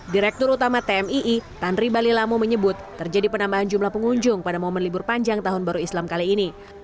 direktur utama tmii tanri balilamo menyebut terjadi penambahan jumlah pengunjung pada momen libur panjang tahun baru islam kali ini